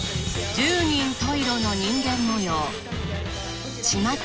十人十色の人間模様